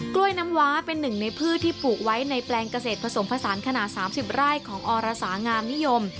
วยน้ำว้าเป็นหนึ่งในพืชที่ปลูกไว้ในแปลงเกษตรผสมผสานขนาด๓๐ไร่ของอรสางามนิยม